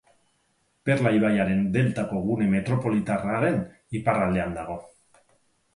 Perla ibaiaren deltako gune metropolitarraren iparraldean dago.